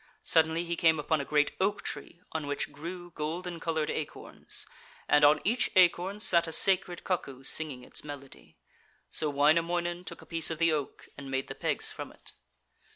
Suddenly he came upon a great oak tree on which grew golden coloured acorns, and on each acorn sat a sacred cuckoo singing its melody. So Wainamoinen took a piece of the oak and made the pegs from it.